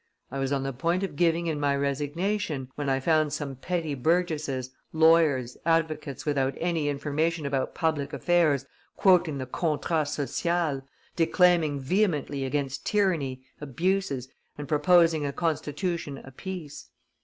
I was on the point of giving in my resignation, when I found some petty burgesses, lawyers, advocates without any information about public affairs, quoting the Contrat social, declaiming vehemently against tyranny, abuses, and proposing a constitution apiece.